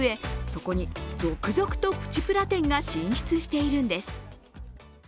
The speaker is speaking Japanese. そこに続々とプチプラ店が進出しているんです。